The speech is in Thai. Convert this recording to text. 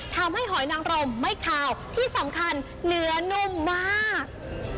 หอยนางรมไม่ขาวที่สำคัญเนื้อนุ่มมาก